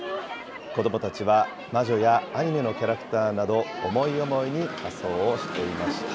子どもたちは魔女やアニメのキャラクターなど、思い思いに仮装をしていました。